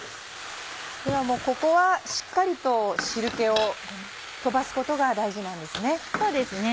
ではもうここはしっかりと汁気を飛ばすことが大事なんですね。